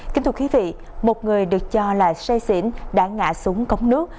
kính thưa quý vị một người được cho là say xỉn đã ngã xuống cống nước